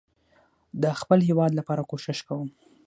ده خپل هيواد لپاره کوښښ کوم